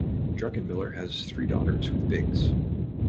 Druckenmiller has three daughters with Biggs.